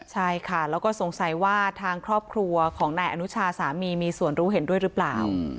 ใช่ค่ะแล้วก็สงสัยว่าทางครอบครัวของนายอนุชาสามีมีส่วนรู้เห็นด้วยหรือเปล่า